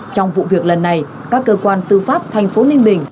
trong vụ việc lần này các cơ quan tư pháp thành phố ninh bình